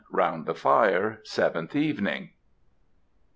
ROUND THE FIRE. SEVENTH EVENING.